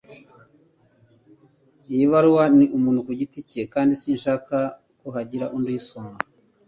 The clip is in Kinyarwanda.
Iyi baruwa ni umuntu ku giti cye, kandi sinshaka ko hagira undi uyisoma.